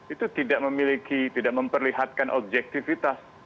itu tidak memiliki tidak memperlihatkan objektivitas